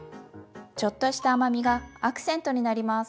ちょっとした甘みがアクセントになります。